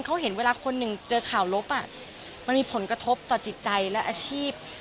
เขาเห็นเวลาคนหนึ่งเจอข่าวลบมันมีผลกระทบต่อจิตใจและอาชีพ